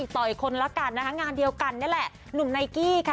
ต่ออีกคนละกันนะคะงานเดียวกันนี่แหละหนุ่มไนกี้ค่ะ